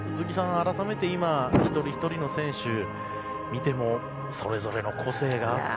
改めて一人ひとりの選手を見てもそれぞれの個性があって。